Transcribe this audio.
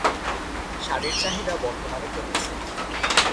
শাড়ির চাহিদা বর্তমানে কমেছে।